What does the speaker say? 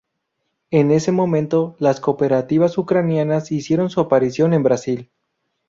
En ese momento, las cooperativas ucranianas hicieron su aparición en Brasil.